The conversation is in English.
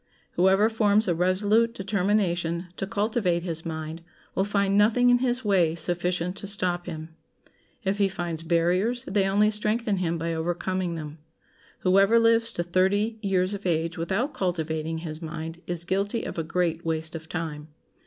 Whoever forms a resolute determination to cultivate his mind will find nothing in his way sufficient to stop him. If he finds barriers they only strengthen him by overcoming them. Whoever lives to thirty years of age without cultivating his mind is guilty of a great waste of time.